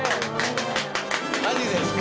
マジですか。